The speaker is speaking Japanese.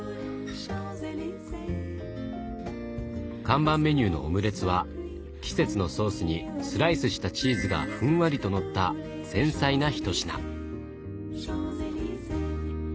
看板メニューのオムレツは季節のソースにスライスしたチーズがふんわりとのった繊細な一品。